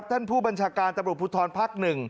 ท่านผู้บัญชาการตำรวจพุทธรพัก๑